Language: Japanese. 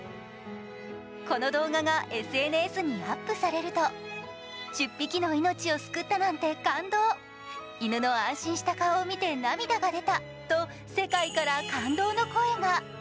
この動画がＳＮＳにアップされると１０匹の命を救ったなんて感動、犬の安心した顔を見て涙が出たと世界から感動の声が。